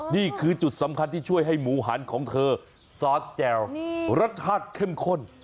นี่คือจุดสำคัญที่ช่วยให้หมูหันของเธอซอสแจ่วรสชาติเข้มข้น